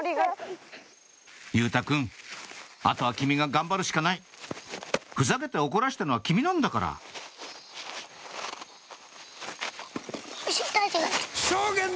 佑太くんあとは君が頑張るしかないふざけて怒らしたのは君なんだからよっしゃ！